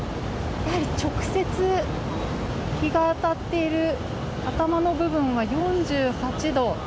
やはり直接、日が当たっている頭の部分は４８度。